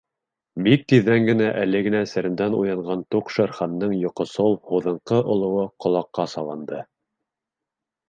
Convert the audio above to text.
Бик тиҙҙән әле генә серемдән уянған туҡ Шер-Хандың йоҡосол, һуҙынҡы олоуы ҡолаҡҡа салынды.